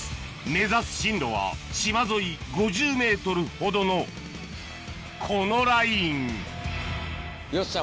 目指す進路は島沿い５０ｍほどのこのラインよっしゃ